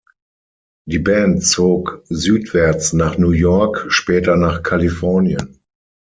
Die Band zog südwärts nach New York, später nach Kalifornien.